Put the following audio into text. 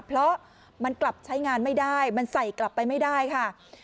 เพราะมันกลับใช้งานไม่ได้มันใส่กลับไปไม่ได้ค่ะ